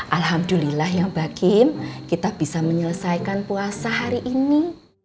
alhamdulillah ya mbak kim kita bisa menyelesaikan puasa hari ini